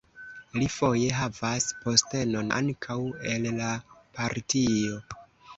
Li foje havas postenon ankaŭ en la partio.